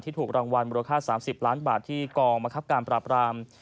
ถูกรางวัลมูลค่า๓๐ล้านบาทที่กองบังคับการปราบราม